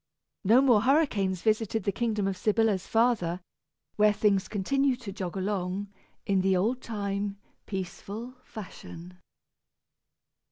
No more hurricanes visited the kingdom of Sybilla's father, where things continued to jog along in the old time peaceful fashion.